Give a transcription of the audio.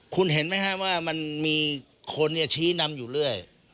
คุณเห็นไหมครับว่ามันมีคนชี้นำอยู่เรื่อย